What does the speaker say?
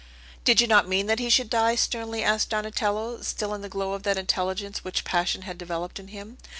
"Did you not mean that he should die?" sternly asked Donatello, still in the glow of that intelligence which passion had developed in him.